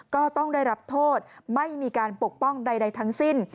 ก็ต้องได้รับโทษไม่มีการปกป้องใดทั้งสิ้น